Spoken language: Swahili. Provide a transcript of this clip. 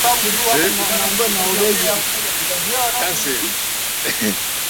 Mwaka elfu mbili na nane ilijaribu kusanifisha vipimo